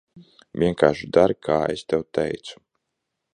Vienkārši dari, kā es tev teicu.